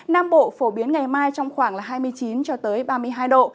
nam bộ phổ biến ngày mai trong khoảng là hai mươi chín ba mươi bảy độ